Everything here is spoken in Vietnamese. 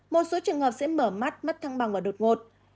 một số trường hợp sẽ mở mắt mất thăng bằng và đột ngột